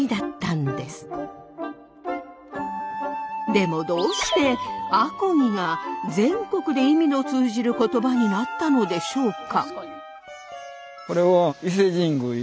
でもどうして「あこぎ」が全国で意味の通じる言葉になったのでしょうか。